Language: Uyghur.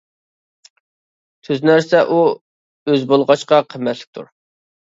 تۈز نەرسە ئۇ ئۆز بولغاچقا قىممەتلىكتۇر.